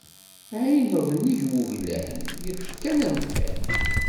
D iɛineḍ nnig n wuglan yeṭṭef kan amkan.